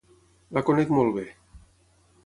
La conec molt bé.